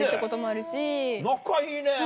仲いいね。